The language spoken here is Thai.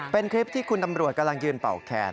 เป็นคลิปที่คุณตำรวจกำลังยืนเป่าแคน